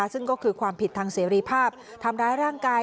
ซึ่งก็คือความผิดทางเสรีภาพทำร้ายร่างกาย